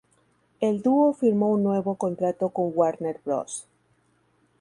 El dúo firmó un nuevo contrato con Warner Bros.